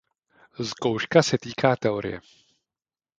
Zkouška se týká teorie.